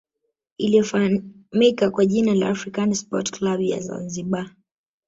iliyofahamika kwa jina la african sport club ya zanzibar